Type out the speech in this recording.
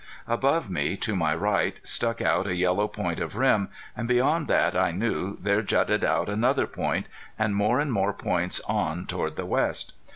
Above me, to my right, stuck out a yellow point of rim, and beyond that I knew there jutted out another point, and more and more points on toward the west.